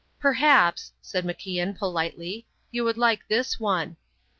"Perhaps," said MacIan, politely, "you would like this one."